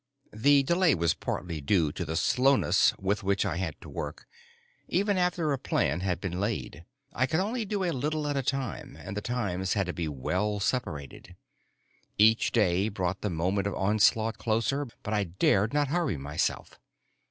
The delay was partly due to the slowness with which I had to work, even after a plan had been laid. I could only do a little at a time, and the times had to be well separated. Each day brought the moment of onslaught closer, but I dared not hurry myself.